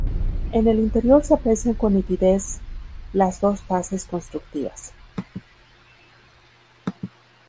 En el interior se aprecian con nitidez las dos fases constructivas.